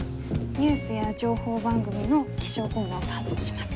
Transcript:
ニュースや情報番組の気象コーナーを担当します。